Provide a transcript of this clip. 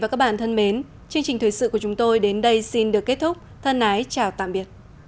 cảm ơn các bạn đã theo dõi và hẹn gặp lại